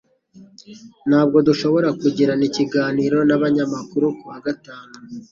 Ntabwo dushobora kugirana ikiganiro nabanyamakuru kuwa gatanu.